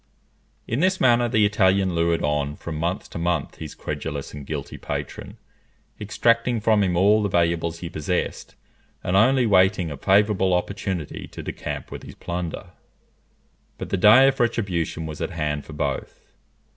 In this manner the Italian lured on from month to month his credulous and guilty patron, extracting from him all the valuables he possessed, and only waiting a favourable opportunity to decamp with his plunder. But the day of retribution was at hand for both.